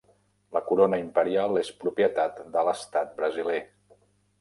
La Corona Imperial és propietat de l'Estat brasiler.